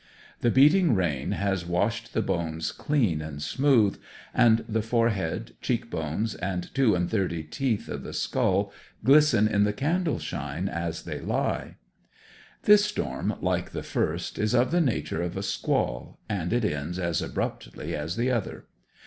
The beating rain has washed the bones clean and smooth, and the forehead, cheek bones, and two and thirty teeth of the skull glisten in the candle shine as they lie. This storm, like the first, is of the nature of a squall, and it ends as abruptly as the other.